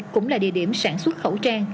cũng là địa điểm sản xuất khẩu trang